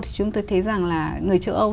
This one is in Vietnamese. thì chúng tôi thấy rằng là người châu âu